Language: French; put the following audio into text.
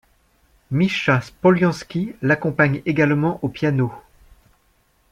Mischa Spoliansky l'accompagne également au piano.